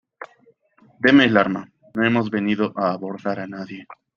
deme el arma. no hemos venido a abordar a nadie .